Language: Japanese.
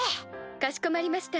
かしこまりました。